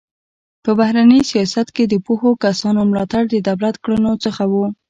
په بهرني سیاست کې د پوهو کسانو ملاتړ د دولت کړنو څخه و.